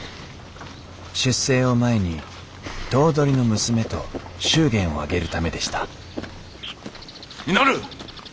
出征を前に頭取の娘と祝言を挙げるためでした稔！